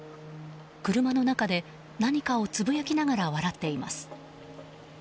車の中で何かをつぶやきながら笑っています。